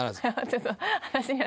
ちょっと。